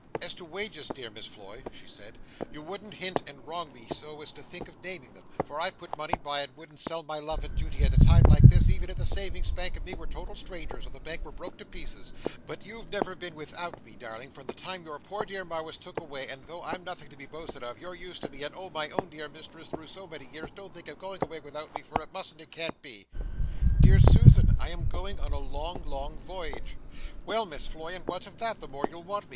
"As to wages dear Miss Floy," she said, "you wouldn't hint and wrong me so as think of naming them, for I've put money by and wouldn't sell my love and duty at a time like this even if the Savings' Banks and me were total strangers or the Banks were broke to pieces, but you've never been without me darling from the time your poor dear Ma was took away, and though I'm nothing to be boasted of you're used to me and oh my own dear mistress through so many years don't think of going anywhere without me, for it mustn't and can't be!" "Dear Susan, I am going on a long, long voyage." "Well Miss Floy, and what of that? the more you'll want me.